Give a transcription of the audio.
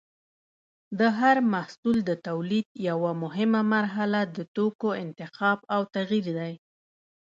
د هر محصول د تولید یوه مهمه مرحله د توکو انتخاب او تغیر دی.